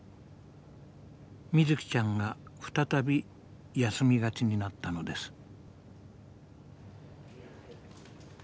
みずきちゃんが再び休みがちになったのです。